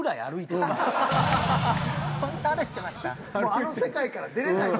もうあの世界から出れないのよ。